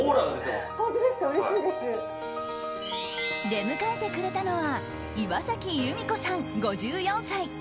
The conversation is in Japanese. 出迎えてくれたのは岩崎裕美子さん、５４歳。